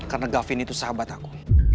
karena gavin itu sahabat aku